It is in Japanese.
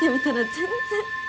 全然？